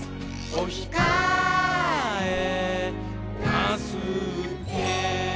「おひかえなすって！」